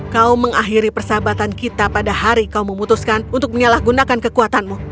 kau mengakhiri persahabatan kita pada hari kau memutuskan untuk menyalahgunakan kekuatanmu